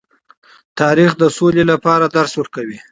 تاریخ د سولې لپاره درس ورکوي.